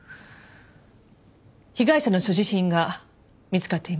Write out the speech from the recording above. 被害者の所持品が見つかっていません。